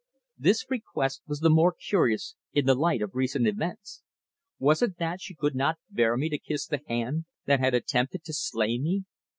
This request was the more curious in the light of recent events. Was it that she could not bear me to kiss the hand that had attempted to slay me?